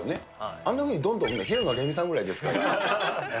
あんなふうに、どんって置くの、平野レミさんぐらいですから。